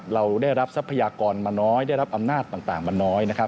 เราได้รับทรัพยากรมาน้อยได้รับอำนาจต่างมาน้อยนะครับ